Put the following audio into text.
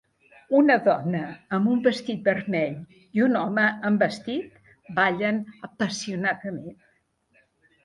Una dona amb un vestit vermell i un home amb vestit ballen apassionadament.